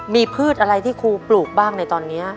มีพืชอะไรที่ครูปบ้างในตอนนี้